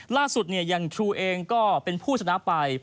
ล่าสุดอย่างทรูเองก็เป็นผู้ชนะไป